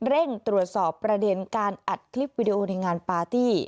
เร่งตรวจสอบประเด็นการอัดคลิปวิดีโอในงานปาร์ตี้